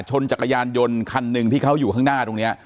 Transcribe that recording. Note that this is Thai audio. จักรยานยนต์คันหนึ่งที่เขาอยู่ข้างหน้าตรงนี้